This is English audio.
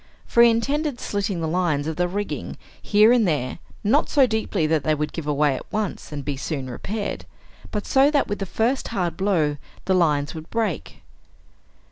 For he intended slitting the lines of the rigging here and there, not so deeply that they would give way at once and be soon repaired, but so that with the first hard blow the lines would break.